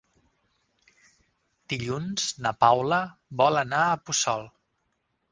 Dilluns na Paula vol anar a Puçol.